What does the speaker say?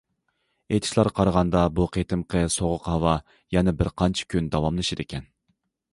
ئېيتىشلارغا قارىغاندا، بۇ قېتىمقى سوغۇق ھاۋا يەنە بىرقانچە كۈن داۋاملىشىدىكەن.